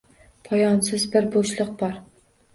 Poyonsiz bir bo’shlik bor.